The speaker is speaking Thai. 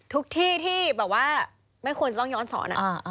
ที่ที่แบบว่าไม่ควรจะต้องย้อนสอน